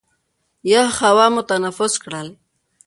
یخه هوا مو تنفس کړل.